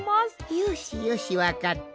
よしよしわかった！